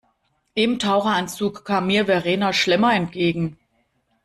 Im Taucheranzug kam mir Verena Schlemmer entgegen.